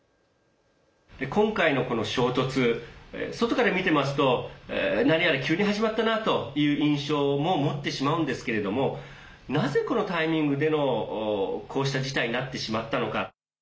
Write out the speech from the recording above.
今回のこの衝突外から見てますと何やら急に始まったなという印象も持ってしまうんですけれどもなぜこのタイミングでのこうした事態になってしまったのか。